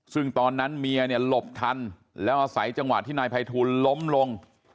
ซึ่งตอนนั้นเมียหลบทันแล้วใส่จังหวัดที่นายไพทูลล้มลง